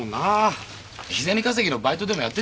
日銭稼ぎのバイトでもやってんじゃねえか？